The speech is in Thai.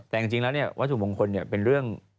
แต่จริงแล้ววัตถุมงคลเป็นเรื่อง